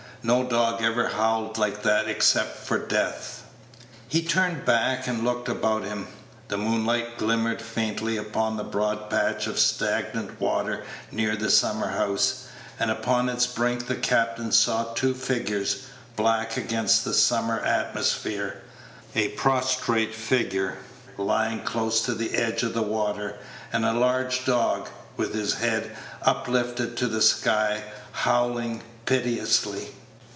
"No dog ever howled like that except for death." He turned back and looked about him. The moonlight glimmered faintly upon the broad patch of stagnant water near the summer house, and upon its brink the captain saw two figures, black against the summer atmosphere a prostrate figure, lying close to the edge of the water, and a large dog, with his head uplifted to the sky, howling piteously.